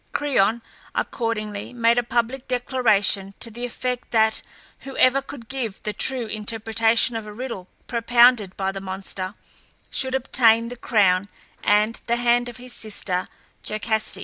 Creon, accordingly, made a public declaration to the effect, that whoever could give the true interpretation of a riddle propounded by the monster, should obtain the crown, and the hand of his sister Jocaste.